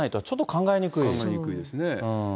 考えにくいですね。